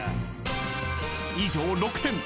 ［以上６点］